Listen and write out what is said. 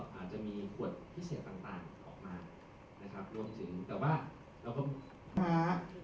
ก็อาจจะมีขวดพิเศษต่างต่างออกมานะครับรวมถึงแต่ว่าแล้วคุณ